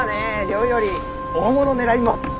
量より大物狙います。